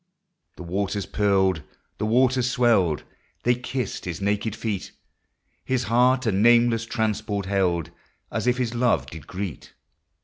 " The waters purled, the waters swelled, — They kissed his naked feet ; His heart a nameless transport held, As if his love did greet.